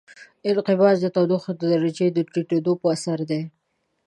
انقباض د تودوخې د درجې د ټیټېدو په اثر دی.